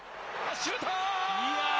シュート！